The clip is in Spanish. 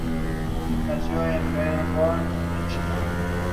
La expedición fue popularmente conocida por el nombre de su navío, el "Discovery".